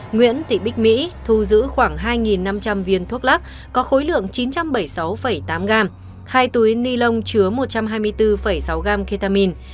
nguyễn thị bích mỹ thu giữ khoảng hai năm trăm linh viên thuốc lắc có khối lượng chín trăm bảy mươi sáu tám gram hai túi ni lông chứa một trăm hai mươi bốn sáu gram ketamin